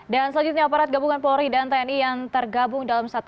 dan selanjutnya aparat gabungan polri dan tni yang tergabung dalam satu